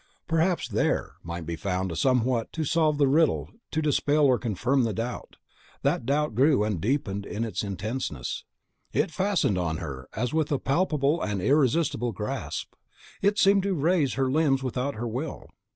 Perhaps THERE might be found a somewhat to solve the riddle, to dispel or confirm the doubt: that thought grew and deepened in its intenseness; it fastened on her as with a palpable and irresistible grasp; it seemed to raise her limbs without her will.